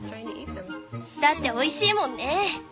だっておいしいもんね。